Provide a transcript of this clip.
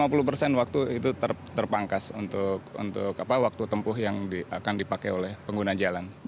lima puluh persen waktu itu terpangkas untuk waktu tempuh yang akan dipakai oleh pengguna jalan